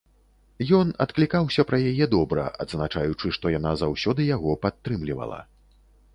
Ён адклікаўся пра яе добра, адзначаючы, што яна заўсёды яго падтрымлівала.